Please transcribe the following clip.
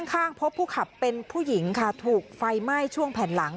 ข้างพบผู้ขับเป็นผู้หญิงค่ะถูกไฟไหม้ช่วงแผ่นหลัง